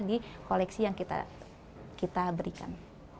di koleksi yang kita berikan